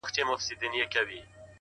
د باران وروسته خټې تل نوی شکل اخلي؛